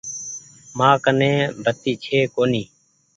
مآن ڪني بتي ڇي ڪونيٚ۔